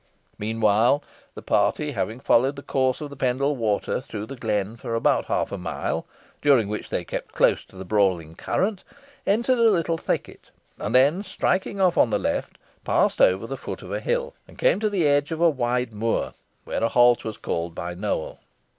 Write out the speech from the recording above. Meanwhile, the party having followed the course of Pendle Water through the glen for about half a mile, during which they kept close to the brawling current, entered a little thicket, and then striking off on the left, passed over the foot of a hill, and came to the edge of a wide moor, where a halt was called by Nowell.